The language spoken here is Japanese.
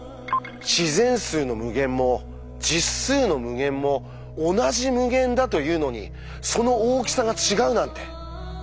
「自然数の無限」も「実数の無限」も同じ無限だというのにその大きさが違うなんて。